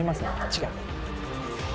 違う！